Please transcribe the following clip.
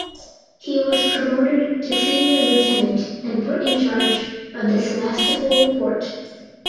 He was promoted to Senior Lieutenant and put in charge of the Sevastopol port.